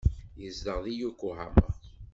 Yezdeɣ deg Yokohama.